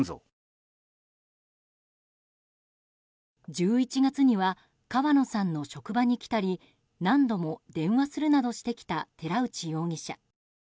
１１月には川野さんの職場に来たり何度も電話するなどしてきた寺内容疑者。